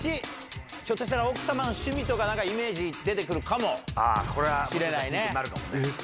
ひょっとしたら奥様の趣味とか、なんかイメージ出てくるかもしれないね。